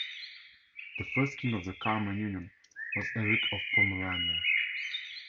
The first king of the Kalmar Union was Eric of Pomerania.